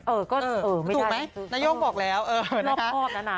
เอ่อก็เอ่อไม่ได้ถูกไหมนายโย่งบอกแล้วเออนะคะรอบครอบนานา